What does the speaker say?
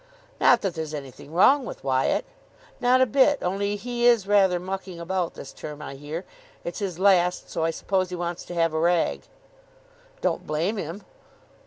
"Not that there's anything wrong with Wyatt." "Not a bit. Only he is rather mucking about this term, I hear. It's his last, so I suppose he wants to have a rag." "Don't blame him."